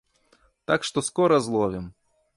Так што скора зловім.